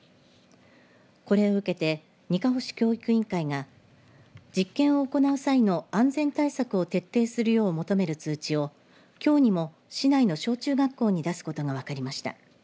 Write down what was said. これを受けてにかほ市教育委員会が実験を行う際の安全対策を徹底するよう求める通知をきょうにも市内の小中学校に出すことが分かりました。